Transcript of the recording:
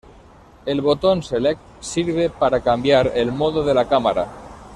El botón Select sirve para cambiar el modo de la cámara.